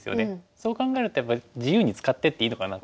そう考えるとやっぱり自由に使ってっていいのかなって。